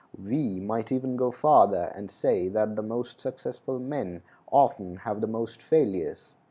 We might even go farther, and say that the most successful men often have the most failures.